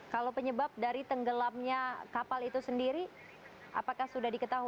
kalau penyebab dari tenggelamnya kapal itu sendiri apakah sudah diketahui